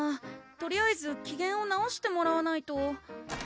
とりあえず機嫌を直してもらわないと・・